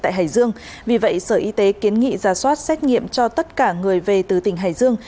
tại hải dương vì vậy sở y tế kiến nghị ra soát xét nghiệm cho tất cả người về từ tỉnh hải dương